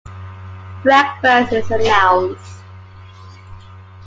Breakfast is announced.